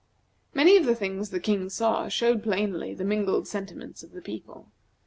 Many of the things the King saw showed plainly the mingled sentiments of the people.